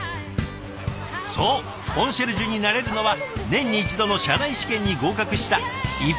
そうコンシェルジュになれるのは年に一度の社内試験に合格した１％だけ。